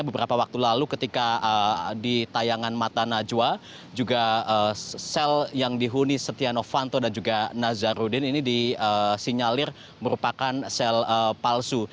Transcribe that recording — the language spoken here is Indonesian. beberapa waktu lalu ketika di tayangan mata najwa juga sel yang dihuni setia novanto dan juga nazarudin ini disinyalir merupakan sel palsu